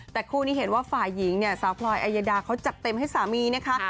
แต่คู่นี้เห็นว่าฝ่ายหญิงเนี่ยสาวพลอยอายดาเขาจัดเต็มให้สามีนะคะ